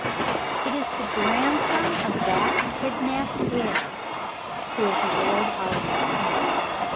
It is the grandson of that kidnapped heir who is Lord Arden.